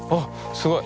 すごい。